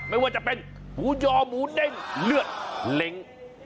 ไม่ว่าจะเป็นหมูยอหมูเด้งเลือดเล้ง